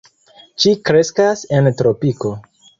Ĝi kreskas en tropiko.